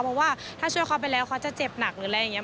เพราะว่าถ้าช่วยเขาไปแล้วเขาจะเจ็บหนักหรืออะไรอย่างนี้